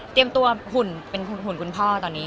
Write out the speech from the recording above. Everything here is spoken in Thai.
ตัวหุ่นเป็นหุ่นคุณพ่อตอนนี้